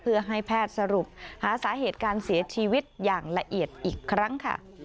เพื่อให้แพทย์สรุปหาสาเหตุการเสียชีวิตอย่างละเอียดอีกครั้งค่ะ